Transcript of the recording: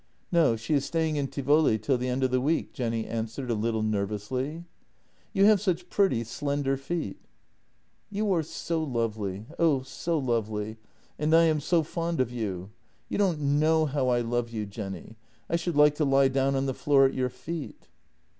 " No; she is staying in Tivoli till the end of the week," Jenny answered a little nervously. " You have such pretty, slender feet." "You are so lovely — oh, so lovely — and I am so fond of you. • You don't know how I love you, Jenny — I should like to lie down on the floor at your feet."